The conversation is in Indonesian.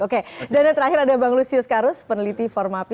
oke dan yang terakhir ada bang lusius karus peneliti formapi